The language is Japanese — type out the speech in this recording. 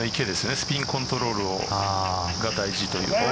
スピンコントロールが大事という。